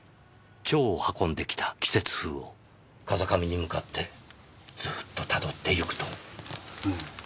蝶を運んできた季節風を風上に向かってずーっとたどってゆくと。